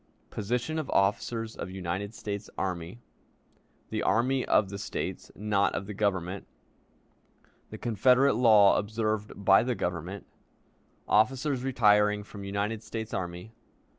Position of Officers of United States Army. The Army of the States, not of the Government. The Confederate Law observed by the Government. Officers retiring from United States Army.